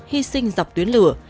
hy sinh dọc tuyến lửa